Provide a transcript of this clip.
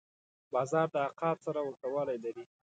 باز د عقاب سره ورته والی لري